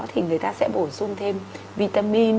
thì người ta sẽ bổ sung thêm vitamin